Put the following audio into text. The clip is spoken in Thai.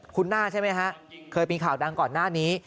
คุณหน้าใช่ไหมฮะเคยมีข่าวดังก่อนหน้านี้